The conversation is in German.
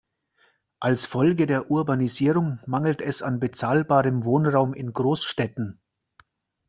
Als Folge der Urbanisierung mangelt es an bezahlbarem Wohnraum in Großstädten.